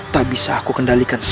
tak bisa aku kendalikan